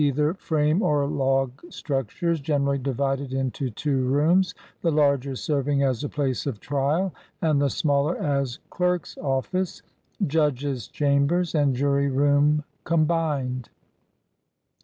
19 LINCOLN THE LAWYER frame or log structures, generally divided into two rooms, the larger serving as a place of trial and the smaller as clerk's office, judge's cham bers, and jury room combined.